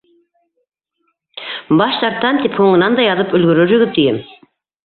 «Баш тартам» тип һуңынан да яҙып өлгөрөрһөгөҙ, тием.